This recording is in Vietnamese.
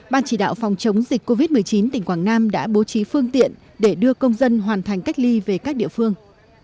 ban chỉ đạo phòng chống dịch covid một mươi chín tỉnh quảng nam đã bố trí phương tiện để đưa công dân hoàn thành cách ly về các địa phương